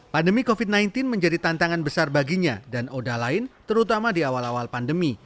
pandemi covid sembilan belas menjadi tantangan besar baginya dan oda lain terutama di awal awal pandemi